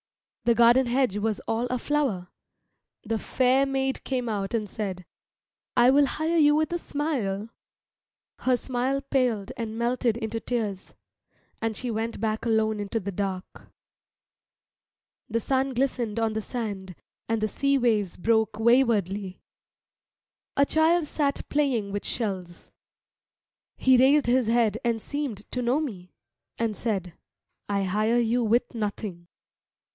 The garden hedge was all aflower. The fair maid came out and said, "I will hire you with a smile." Her smile paled and melted into tears, and she went back alone into the dark. The sun glistened on the sand, and the sea waves broke waywardly. A child sat playing with shells. He raised his head and seemed to know me, and said, "I hire you with nothing."